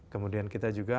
kemudian kita juga